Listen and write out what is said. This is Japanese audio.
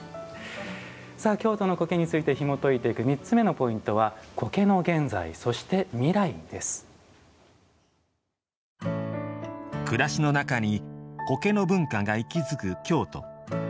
さあ京都の苔についてひもといていく３つ目のポイントは暮らしの中に苔の文化が息づく京都。